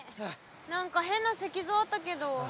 何か変な石像あったけど。